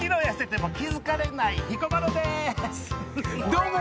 どうも！